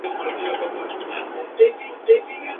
Las fiestas del Stmo.